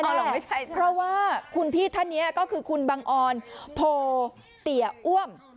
ไม่ใช่เพราะว่าคุณพี่ท่านนี้ก็คือคุณบังออนโพเตียอ้วม